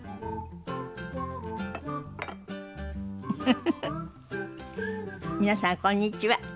フフフフ皆さんこんにちは。